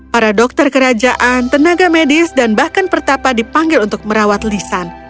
para dokter kerajaan tenaga medis dan bahkan pertapa dipanggil untuk merawat lisan